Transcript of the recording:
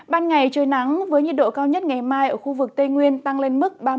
ban ngày trời nắng với nhiệt độ cao nhất ngày mai ở khu vực tây nguyên tăng lên mức ba mươi